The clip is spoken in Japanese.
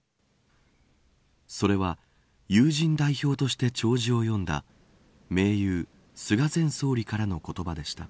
それは友人代表として弔辞を読んだ盟友、菅前総理からの言葉でした。